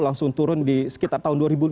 langsung turun di sekitar tahun dua ribu lima belas